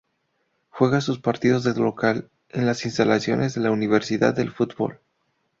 Juega sus partidos de local en las Instalaciones de la Universidad del Fútbol.